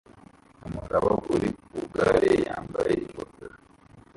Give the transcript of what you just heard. Umugabo uri ku igare yambaye ingofero